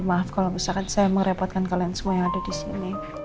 maaf kalau saya merepotkan kalian semua yang ada disini